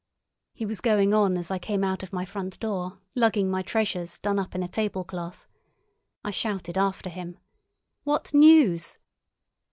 He was going on as I came out of my front door, lugging my treasures, done up in a tablecloth. I shouted after him: "What news?"